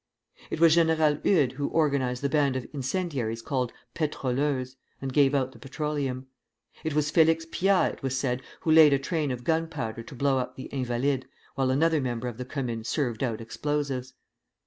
It was General Eudes who organized the band of incendiaries called "pétroleuses" and gave out the petroleum. It was Félix Pyat, it was said, who laid a train of gunpowder to blow up the Invalides, while another member of the Commune served out explosives.